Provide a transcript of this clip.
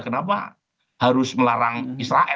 kenapa harus melarang israel